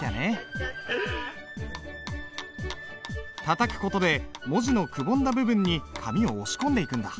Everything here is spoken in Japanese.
たたく事で文字のくぼんだ部分に紙を押し込んでいくんだ。